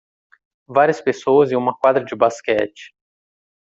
Várias pessoas em uma quadra de basquete.